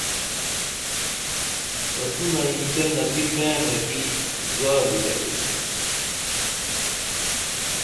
تسونہ اینچہ نگی پرینہ کی زادی گٹینا